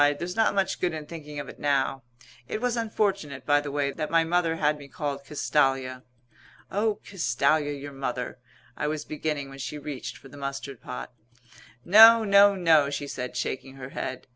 "There's not much good in thinking of it now. It was unfortunate, by the way, that my mother had me called Castalia." "Oh, Castalia, your mother " I was beginning when she reached for the mustard pot. "No, no, no," she said, shaking her head.